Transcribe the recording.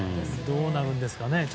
どうなるんですかね